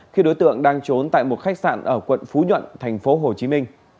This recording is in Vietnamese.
khi đối tượng đang trốn tại một khách sạn ở quận phú nhuận tp hcm